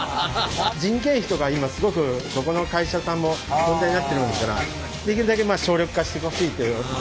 人件費とか今すごくどこの会社さんも問題になってるもんですからできるだけ省力化してほしいというご要望で作りました。